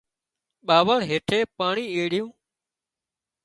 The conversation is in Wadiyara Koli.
ٻاوۯ هيٺي پاڻي ايڙيون